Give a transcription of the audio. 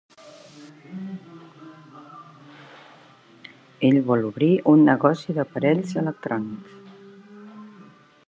Ell vol obrir un negoci d'aparells electrònics.